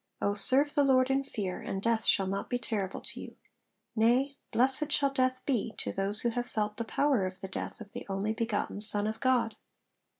'O serve the Lord in fear, and death shall not be terrible to you. Nay, blessed shall death be to those who have felt the power of the death of the only begotten Son of God.'